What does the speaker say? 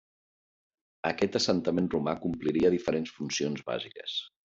Aquest assentament romà compliria diferents funcions bàsiques.